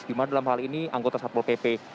gimana dalam hal ini anggota satpol pp